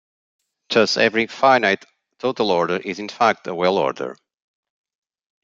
Thus every finite total order is in fact a well order.